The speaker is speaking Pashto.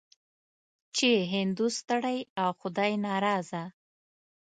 چې هندو ستړی او خدای ناراضه.